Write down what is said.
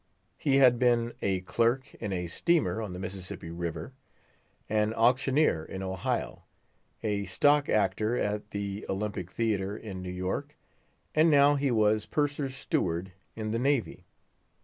He had been a clerk in a steamer on the Mississippi River; an auctioneer in Ohio; a stock actor at the Olympic Theatre in New York; and now he was Purser's steward in the Navy.